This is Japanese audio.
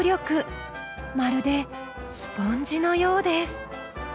まるでスポンジのようです。